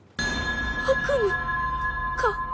悪夢か！？